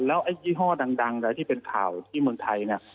แล้วไอ้ยี่ห้อดังที่เป็นข่าวที่เมืองไทยเนี่ย